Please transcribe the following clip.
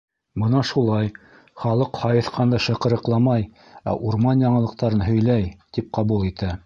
Бына шулай, халыҡ һайыҫҡанды шыҡырыҡламай, ә урман яңылыҡтарын һөйләй, тип ҡабул итә.